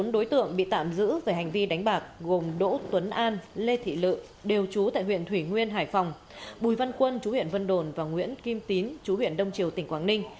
bốn đối tượng bị tạm giữ về hành vi đánh bạc gồm đỗ tuấn an lê thị lự đều trú tại huyện thủy nguyên hải phòng bùi văn quân chú huyện vân đồn và nguyễn kim tín chú huyện đông triều tỉnh quảng ninh